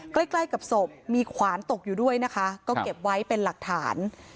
ใกล้ใกล้กับศพมีขวานตกอยู่ด้วยนะคะก็เก็บไว้เป็นหลักฐาน